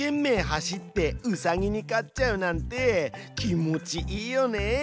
走ってうさぎに勝っちゃうなんて気持ちいいよね。